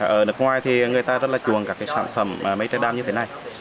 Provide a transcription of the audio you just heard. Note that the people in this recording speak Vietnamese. ở nước ngoài thì người ta rất là chuồng các cái sản phẩm mây tre đan như thế này